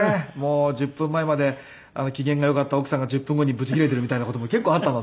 １０分前まで機嫌が良かった奥さんが１０分後にブチギレているみたいな事も結構あったので。